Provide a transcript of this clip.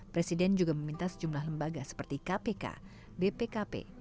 presiden juga meminta sejumlah lembaga seperti kpk bpkp